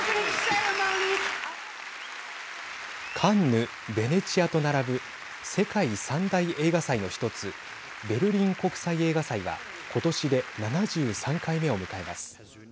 カンヌ、ベネチアと並ぶ世界３大映画祭の１つベルリン国際映画祭は今年で７３回目を迎えます。